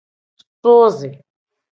Suuzi.